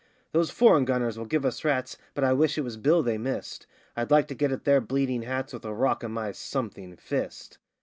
'Those foreign gunners will give us rats, but I wish it was Bill they missed.' 'I'd like to get at their bleeding hats with a rock in my (something) fist.